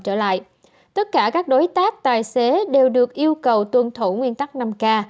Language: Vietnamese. tất cả các đối tác tài xế đều được yêu cầu tuân thủ nguyên tắc năm k